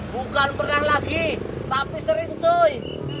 bukan pernah lagi tapi sering cuy